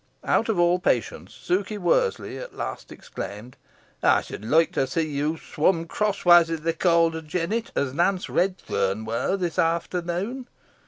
Out of all patience, Sukey Worseley at length exclaimed, "Ey should loike to see ye swum, crosswise, i' th' Calder, Jennet, as Nance Redferne war this efternoon."